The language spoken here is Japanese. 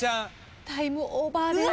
タイムオーバーです。